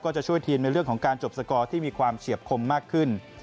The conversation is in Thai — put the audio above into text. จะช่วยทีมในเรื่องของการจบสกอร์ที่มีความเฉียบคมมากขึ้น